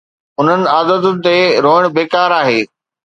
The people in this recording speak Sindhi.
انهن عادتن تي روئڻ بيڪار آهي.